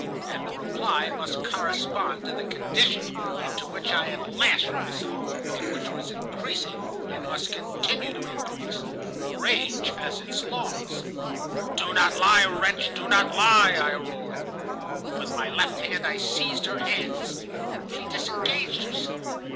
And the reply must correspond to the condition into which I had lashed myself, and which was increasing and must continue to increase. Rage has its laws. "'Do not lie, wretch. Do not lie!' I roared. "With my left hand I seized her hands. She disengaged herself.